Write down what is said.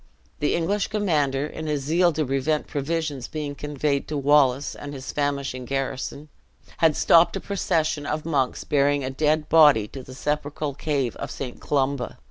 The English commander, in his zeal to prevent provisions being conveyed to Wallace and his famishing garrison, had stopped a procession of monks bearing a dead body to the sepulchral cave of St. Columba.